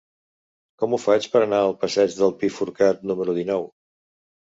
Com ho faig per anar al passeig del Pi Forcat número dinou?